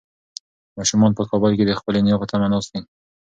ماشومان په کابل کې د خپلې نیا په تمه ناست دي.